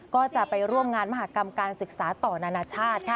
ก็จะไปร่วมงานมหากรรมการศึกษาต่อนานาชาติค่ะ